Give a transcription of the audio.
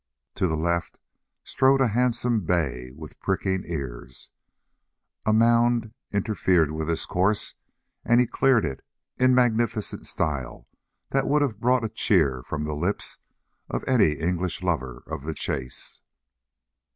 To the left strode a handsome bay with pricking ears. A mound interfered with his course, and he cleared it in magnificent style that would have brought a cheer from the lips of any English lover of the chase.